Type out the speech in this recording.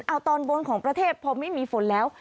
เอาตอนบนของประเทศพอไม่มีฝนแล้ว